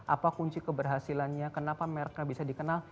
apa kunci keberhasilannya kenapa mereka bisa dikenal